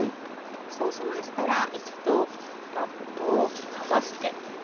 そうしましたら一度ラップを剥がして。